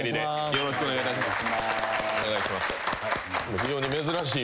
よろしくお願いします。